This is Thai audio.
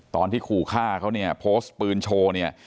ตอนที่ขู่ฆ่าเขาเนี่ยโพสต์ปืนโชว์เนี่ย